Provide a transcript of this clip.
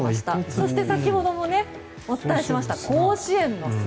そして、先ほどもお伝えしました甲子園の砂。